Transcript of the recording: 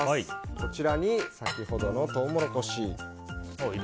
こちらに先ほどのトウモロコシ。